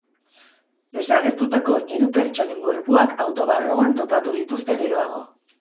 Desagertutako hiru pertsonen gorpuak auto barruan topatu dituzte geroago.